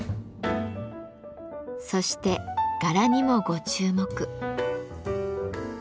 そして柄にもご注目。